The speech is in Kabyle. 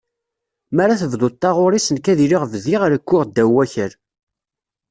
Mi ara tebduḍ taɣuri-s nekk ad iliɣ bdiɣ rekkuɣ ddaw n wakal.